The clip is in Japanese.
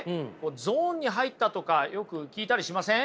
ゾーンに入ったとかよく聞いたりしません？